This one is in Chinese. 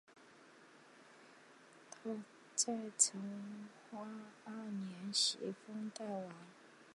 他在成化二年袭封代王。